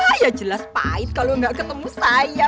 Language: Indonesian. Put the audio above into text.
wah ya jelas pahit kalo gak ketemu saya